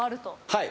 はい。